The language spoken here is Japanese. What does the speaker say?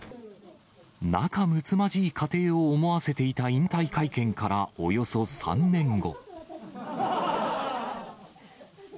仲むつまじい家庭を思わせていた引退会見からおよそ３年後。